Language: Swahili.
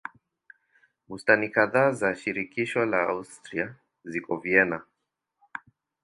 Bustani kadhaa za shirikisho la Austria ziko Vienna.